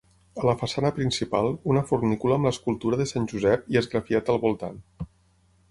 A la façana principal, una fornícula amb l'escultura de Sant Josep i esgrafiat al voltant.